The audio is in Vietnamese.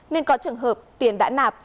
nên có trường hợp tiền đã nạp